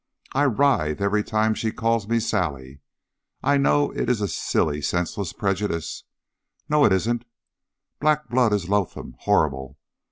I writhe every time she calls me 'Sally.' I know it's a silly senseless prejudice no, it isn't. Black blood is loathsome, horrible!